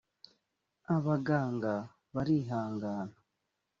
abaganga barihangana.